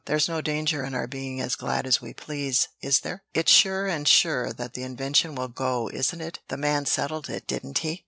"There's no danger in our being as glad as we please, is there? It's sure and sure that the invention will go, isn't it? That man settled it, didn't he?"